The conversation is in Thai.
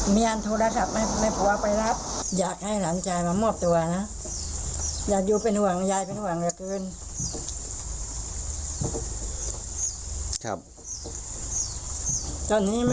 เมียรับโทรศัพท์จากตัวลูกไปรับ